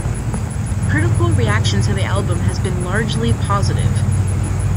Critical reaction to the album has been largely positive.